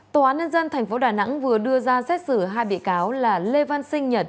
tòa án nhân dân tp đà nẵng vừa đưa ra xét xử hai bị cáo là lê văn sinh nhật